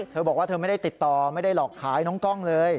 เธอบอกว่าเธอไม่ได้ติดต่อไม่ได้หลอกขายน้องกล้องเลย